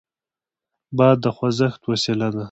باد د خوځښت وسیله ده.